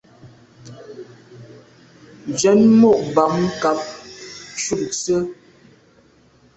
Njen mo’ bàm nkàb ntshu ntse.